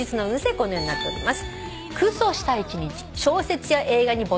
このようになっております。